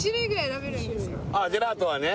ジェラートはね